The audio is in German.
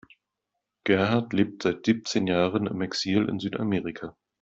Gerhard lebt seit siebzehn Jahren im Exil in Südamerika.